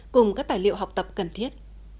cùng các tài liệu học tập cần thiết